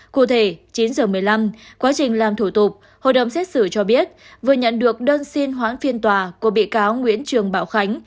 cụ thể chín h một mươi năm quá trình làm thủ tục hội đồng xét xử cho biết vừa nhận được đơn xin hoãn phiên tòa của bị cáo nguyễn trường bảo khánh